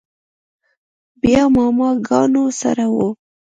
بيا ماما ګانو سره و.